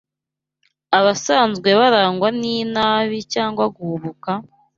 abasanzwe barangwa n’inabi cyangwa guhubuka,